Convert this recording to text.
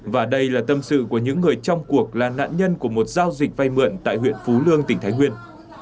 và đây là tâm sự của những người trong cuộc là nạn nhân của một giao dịch vay mượn tại huyện phú lương tỉnh thái nguyên